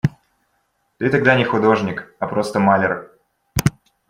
Ты тогда не художник, а просто маляр.